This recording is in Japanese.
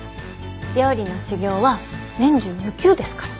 料理の修業は年中無休ですから。